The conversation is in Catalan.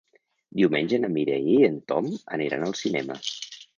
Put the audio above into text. Diumenge na Mireia i en Tom aniran al cinema.